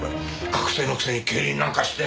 学生のくせに競輪なんかして！